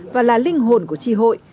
và là linh hồn của chi hội